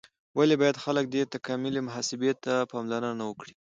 ولې باید خلک دې تکاملي محاسبې ته پاملرنه وکړي؟